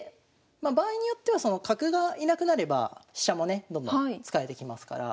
まあ場合によっては角が居なくなれば飛車もねどんどん使えてきますから。